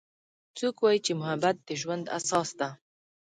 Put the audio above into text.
څوک وایي چې محبت د ژوند اساس ده